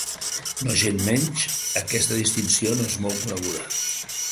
Nogensmenys aquesta distinció no és molt coneguda.